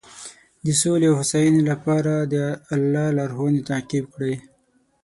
د سولې او هوساینې لپاره تل د الله لارښوونې تعقیب کړئ.